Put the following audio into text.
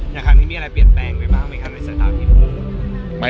อย่างครั้งนี้มีอะไรเปลี่ยนแปลงไปบ้างไหมคะในสถานที่พูด